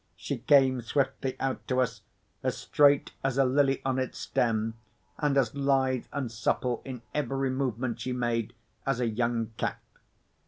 She came swiftly out to us, as straight as a lily on its stem, and as lithe and supple in every movement she made as a young cat.